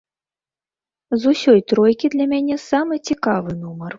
З усёй тройкі для мяне самы цікавы нумар.